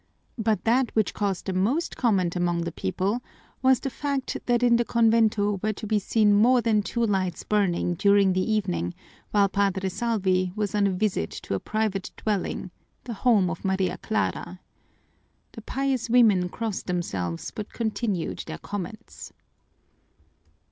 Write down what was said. But that which caused the most comment among the people was the fact that in the convento were to be seen more than two lights burning during the evening while Padre Salvi was on a visit to a private dwelling the home of Maria Clara! The pious women crossed themselves but continued their comments.